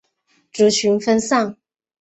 族群分散。